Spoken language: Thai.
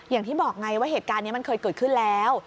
อย่างที่บอกไงว่าเหตุการณ์นี้มันเคยเกิดขึ้นแล้ว